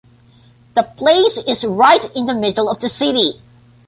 The place is right in the middle of the city.